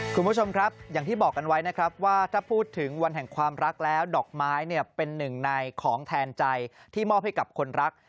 คุณผู้ชมครับอย่างที่บอกกันไว้นะครับว่าถ้าพูดถึงวันแห่งความรักแล้วดอกไม้เนี่ยเป็นหนึ่งในของแทนใจที่มอบให้กับคนรัก